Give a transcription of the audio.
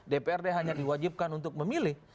dprd hanya diwajibkan untuk memilih